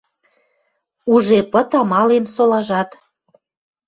Уже пыт амален солажат.